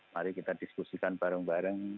mari kita diskusikan bareng bareng